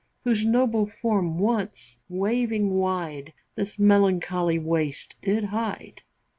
Whose noble form once waiving wide, This melancholy waste did hide.